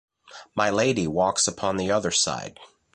My Lady walks upon the other side.